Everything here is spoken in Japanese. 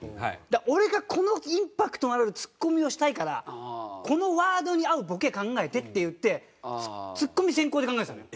「俺がインパクトのあるツッコミをしたいからこのワードに合うボケ考えて」って言ってツッコミ先行で考えてたのよ。